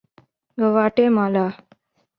گواٹے مالا